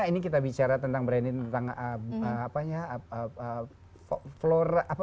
ini kita bicara tentang brand ini tentang apa ya